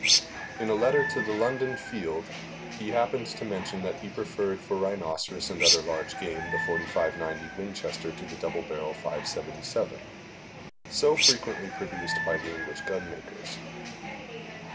In a letter to the London Field he happened to mention that he preferred, for rhinoceros and other large game, the .45 90 Winchester to the double barrel .577, so frequently produced by the English gun makers.